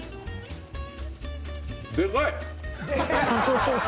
でかい。